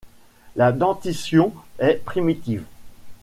La dentition est primitive.